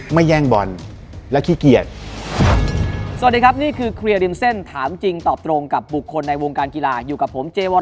ไม่แย่งบอลและขี้เกียจ